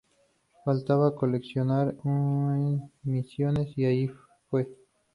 Faltaba coleccionar en Misiones y allí fue.